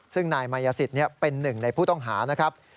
ซึ่งนายมายสิตเป็นหนึ่งในผู้ต้องหา